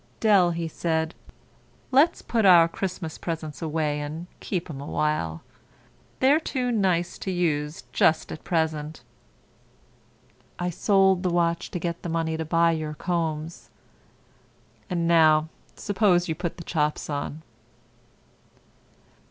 "Dell," said he, "let's put our Christmas presents away and keep 'em a while. They're too nice to use just at present. I sold the watch to get the money to buy your combs. And now suppose you put the chops on."